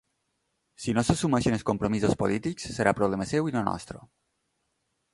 Si no s’assumeixen els compromisos polítics, serà problema seu i no nostre.